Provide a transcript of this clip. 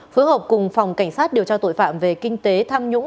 phối hợp cùng phòng cảnh sát điều tra tội phạm về kinh tế tham nhũng